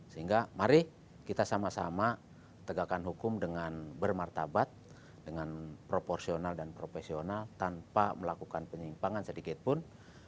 sehingga mari kita sama sama tegakkan hukum dengan bermartabat dengan proporsional dan profesional tanpa melakukan penyimpangan sedikit pun